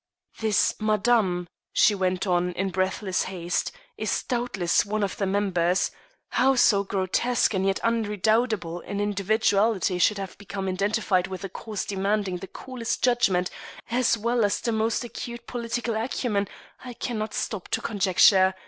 "This Madame," she went on in breathless haste, "is doubtless one of the members. How so grotesque and yet redoubtable an individuality should have become identified with a cause demanding the coolest judgment as well as the most acute political acumen, I cannot stop to conjecture.